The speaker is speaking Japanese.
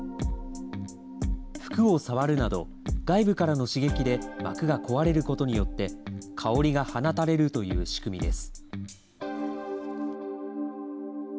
服を触るなど、外部からの刺激で膜が壊れることによって、香りが放たれるという仕組みです。